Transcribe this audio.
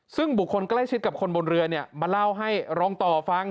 ซึ่งบุคคลใกล้ชิดกับคนบนเรือเนี่ยมาเล่าให้รองต่อฟัง